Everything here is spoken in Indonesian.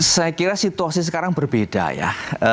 saya kira situasi sekarang berbeda ya